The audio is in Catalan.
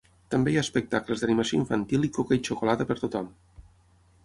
També hi ha espectacles d'animació infantil i coca i xocolata per tothom.